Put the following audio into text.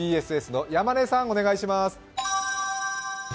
ＢＳＳの山根さん、お願いします。